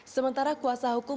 sementara kuasa hukum